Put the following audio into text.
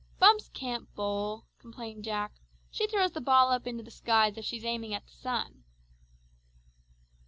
"Bumps can't bowl," complained Jack; "she throws the ball up into the sky as if she's aiming at the sun."